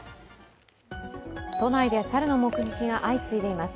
都内で猿の目撃が相次いでいます。